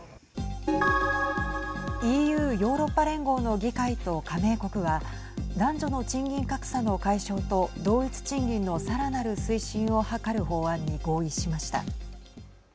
ＥＵ＝ヨーロッパ連合の議会と加盟国は男女の賃金格差の解消と同一賃金のさらなる推進を図る法案に合意しました。